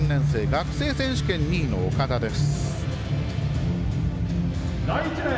学生選手権２位の岡田です。